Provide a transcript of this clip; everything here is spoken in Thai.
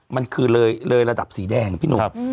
มันคือเลยระดับสีแดงพี่หนุ่ม